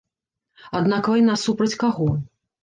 Аднак вайна супраць каго?